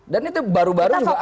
dan itu baru baru juga ada